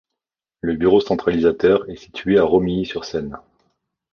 Le bureau centralisateur est situé à Romilly-sur-Seine.